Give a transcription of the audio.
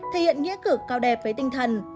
thể hiện nghĩa cử cao đẹp với tinh thần